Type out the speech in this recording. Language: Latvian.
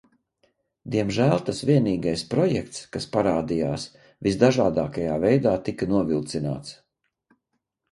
Diemžēl tas vienīgais projekts, kas parādījās, visdažādākajā veidā tika novilcināts.